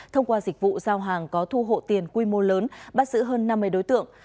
thông qua dịch vụ giao hàng có thu hộ tiền quy mô lớn bắt giữ hơn năm mươi đồng